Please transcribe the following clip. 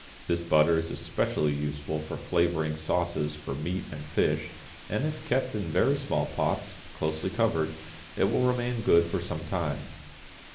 This butter is especially useful for flavouring sauces for meat and fish, and if kept in very small pots, closely covered, it will remain good for some time.